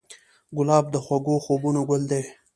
ګلاب د خوږو خوبونو ګل دی.